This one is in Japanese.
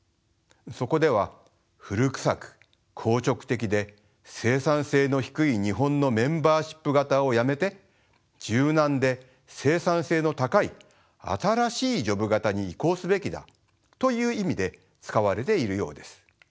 そこでは古くさく硬直的で生産性の低い日本のメンバーシップ型をやめて柔軟で生産性の高い新しいジョブ型に移行すべきだという意味で使われているようです。